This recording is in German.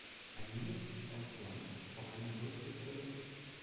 Ein Junge sitzt auf Sand vor einem Holzgebäude und isst.